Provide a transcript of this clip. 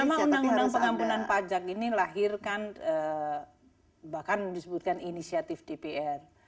selama undang undang pengampunan pajak ini lahirkan bahkan disebutkan inisiatif dpr